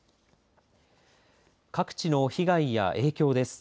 各地の被害や影響です。